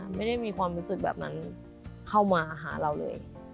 ไม่ได้มีความรู้สึกแบบนั้นเข้ามาหาเราเลย